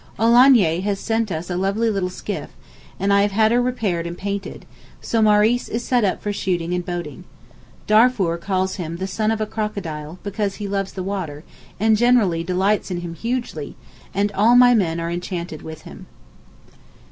Olagnier has lent us a lovely little skiff, and I have had her repaired and painted, so Maurice is set up for shooting and boating. Darfour calls him the 'son of a crocodile' because he loves the water, and generally delights in him hugely, and all my men are enchanted with him.